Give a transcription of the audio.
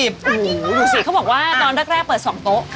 โอ้โหดูสิเขาบอกว่าตอนแรกเปิด๒โต๊ะ